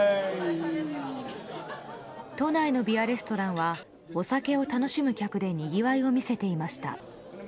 都内のビアレストランはお酒を楽しむ客でにぎわいを見せていました。